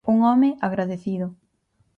Un home agradecido.